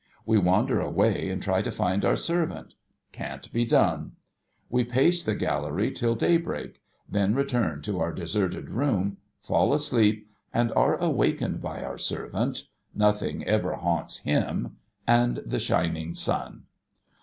We wander away, and try to find our servant. Can't be done. We pace the gallery till daybreak ; then return to our deserted room, fall asleep, and are awakened by our servant (nothing ever haunts /li///) and the shining sun.